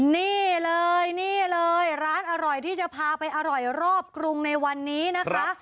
นี่เลยนี่เลยร้านอร่อยที่จะพาไปอร่อยรอบกรุงในวันนี้นะคะ